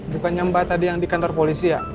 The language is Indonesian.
bukannya mbak tadi yang di kantor polisi ya